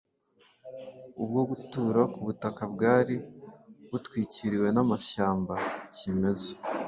bwo gutura ku butaka bwari butwikiriwe n’amashyamba kimeza,